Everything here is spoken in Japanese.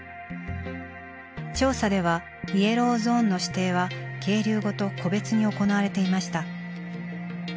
調査ではイエローゾーンの指定は渓流ごと個別に行われていました。